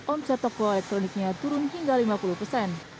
omset toko elektroniknya turun hingga lima puluh persen